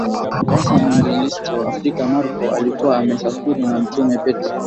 hasa mwinjilisti wa Afrika Marko alikuwa amesafiri na Mtume Petro